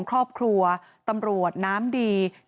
ปี๖๕วันเช่นเดียวกัน